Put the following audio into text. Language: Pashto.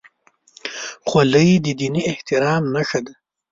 خولۍ د دیني احترام نښه ده.